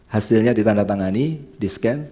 hasilnya ditanda tangani di scan